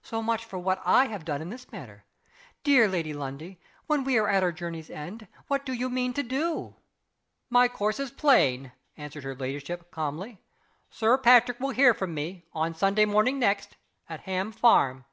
So much for what I have done in this matter. Dear Lady Lundie when we are at our journey's end, what do you mean to do?" "My course is plain," answered her ladyship, calmly. "Sir Patrick will hear from me, on Sunday morning next, at Ham Farm."